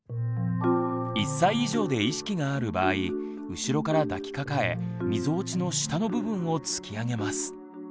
１歳以上で意識がある場合後ろから抱きかかえみぞおちの下の部分を突き上げます。